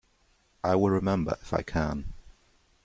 I will remember, if I can!